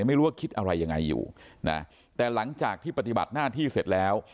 ไม่รู้คิดอะไรยังไงอยู่นะแต่หลังจากที่ปฏิบัติหน้าที่เสร็จแล้ว